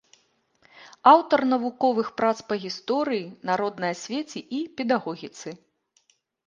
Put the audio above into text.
Аўтар навуковых прац па гісторыі, народнай асвеце і педагогіцы.